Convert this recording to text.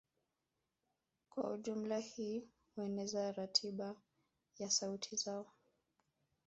Kwa ujumla hii hueneza ratiba ya sauti zao